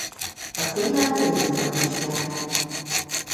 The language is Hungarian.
A címmel pénzjutalom is járt.